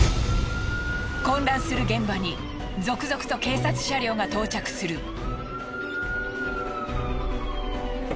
混乱する現場に続々と警察車両が到着する。